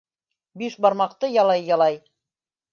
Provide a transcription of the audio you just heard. Биш бармаҡты ялай-ялай